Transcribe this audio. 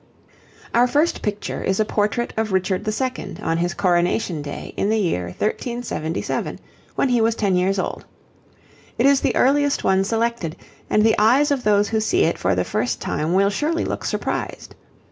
Our first picture is a portrait of Richard II. on his coronation day in the year 1377, when he was ten years old. It is the earliest one selected, and the eyes of those who see it for the first time will surely look surprised.